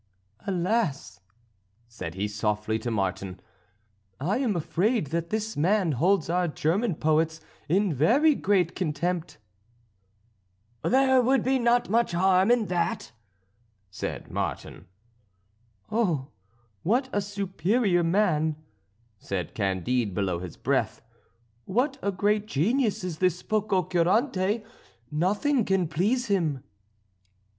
"Alas!" said he softly to Martin, "I am afraid that this man holds our German poets in very great contempt." "There would not be much harm in that," said Martin. "Oh! what a superior man," said Candide below his breath. "What a great genius is this Pococurante! Nothing can please him."